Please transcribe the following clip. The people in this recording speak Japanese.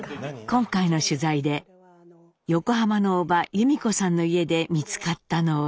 今回の取材で横浜の伯母由美子さんの家で見つかったのは。